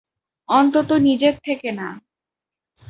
অন্তত নিজের থেকে না।